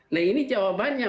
nah ini jawabannya